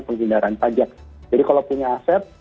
penghindaran pajak jadi kalau punya aset